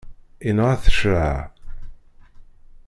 Yenɣa-t ccreɛ.